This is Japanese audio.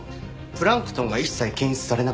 プランクトンが一切検出されなかったんです。